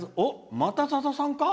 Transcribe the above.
また、さださんか？